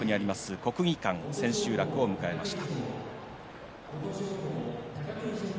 国技館千秋楽を迎えました。